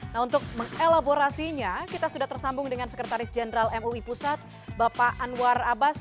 nah untuk mengelaborasinya kita sudah tersambung dengan sekretaris jenderal mui pusat bapak anwar abbas